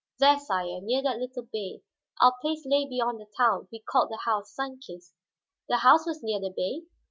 "There, sire, near that little bay. Our place lay beyond the town; we called the house Sun Kist." "The house was near the bay?"